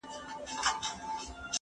زه به سبا خبري وکړم!.